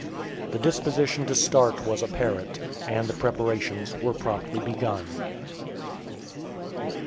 The disposition to start was apparent, and the preparations were promptly begun.